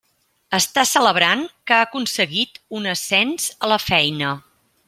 Està celebrant que ha aconseguit un ascens a la feina.